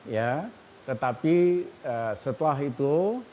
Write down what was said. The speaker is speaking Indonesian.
ya tetapi setelah itu